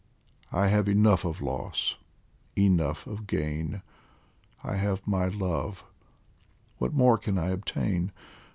I have enough of loss, enough of gain ; I have my Love, what more can I obtain